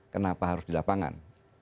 kenapa harus di lapangan